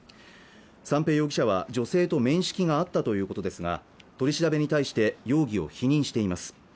三瓶容疑者は女性と面識があったということですが取り調べに対して容疑を否認しています